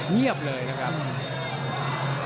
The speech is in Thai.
เงียบเลยนะครับ